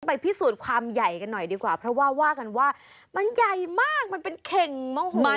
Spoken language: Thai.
พิสูจน์ความใหญ่กันหน่อยดีกว่าเพราะว่าว่ากันว่ามันใหญ่มากมันเป็นเข่งมง